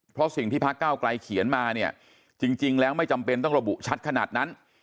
เพราะสิ่งที่พระเก้าไกลเขียนมาเนี่ยจริงแล้วไม่จำเป็นต้องระบุชัดขนาดนั้น